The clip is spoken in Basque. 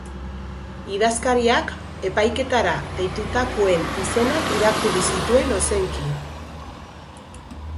Idazkariak epaiketara deitutakoen izenak irakurri zituen ozenki.